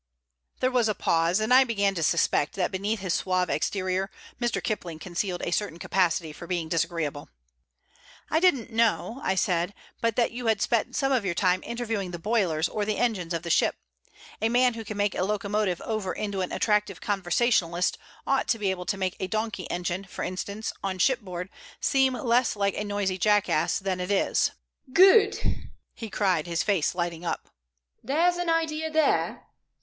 There was a pause, and I began to suspect that beneath his suave exterior Mr. Kipling concealed a certain capacity for being disagreeable. "I didn't know," I said, "but that you had spent some of your time interviewing the boilers or the engines of the ship. A man who can make a locomotive over into an attractive conversationalist ought to be able to make a donkey engine, for instance, on shipboard, seem less like a noisy jackass than it is." "Good!" he cried, his face lighting up. "There's an idea there.